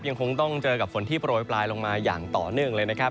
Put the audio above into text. ยังคงต้องเจอกับฝนที่โปรยปลายลงมาอย่างต่อเนื่องเลยนะครับ